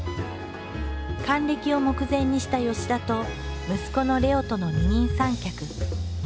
還暦を目前にした田と息子の玲雄との二人三脚。